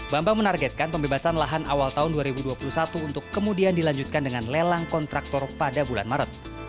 bambang menargetkan pembebasan lahan awal tahun dua ribu dua puluh satu untuk kemudian dilanjutkan dengan lelang kontraktor pada bulan maret